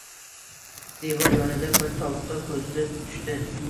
Devor yonida bir tovuqqa koʻzi tushdi